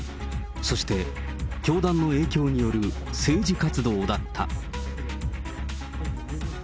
そして、教団の影響による政治活動だった。